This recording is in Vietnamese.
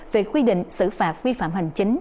về quy định xử phạt quy phạm hành chính